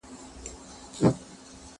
زه به اوبه پاکې کړې وي